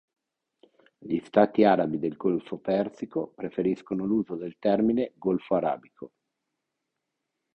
Gli stati arabi del Golfo Persico preferiscono l'uso del termine "Golfo Arabico".